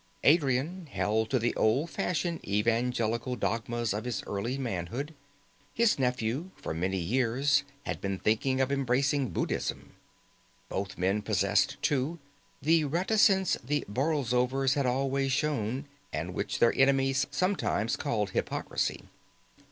Adrian held to the old fashioned evangelical dogmas of his early manhood; his nephew for many years had been thinking of embracing Buddhism. Both men possessed, too, the reticence the Borlsovers had always shown, and which their enemies sometimes called hypocrisy.